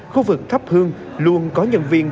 khu vực thắp hương luôn có nhân viên